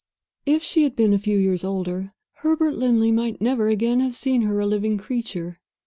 If she had been a few years older, Herbert Linley might never again have seen her a living creature.